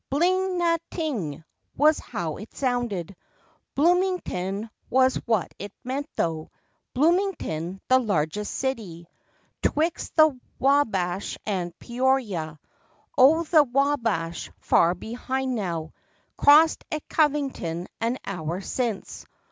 " Bling na ting!" was how it sounded; Bloomington was what it meant, tho'; Bloomington, the largest city 'Twixt the Wabash and Peoria. Oh, the Wabash! far behind, now; Crossed at Covington an hour since.